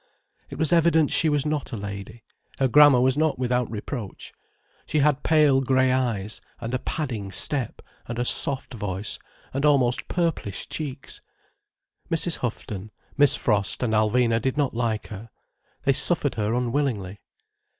It was evident she was not a lady: her grammar was not without reproach. She had pale grey eyes, and a padding step, and a soft voice, and almost purplish cheeks. Mrs. Houghton, Miss Frost, and Alvina did not like her. They suffered her unwillingly.